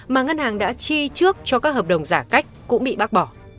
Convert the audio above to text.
mà ngân hàng đã chi trước cho các hợp đồng giả cách cũng bị bác bỏ